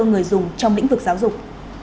người dùng trong lĩnh vực giáo dục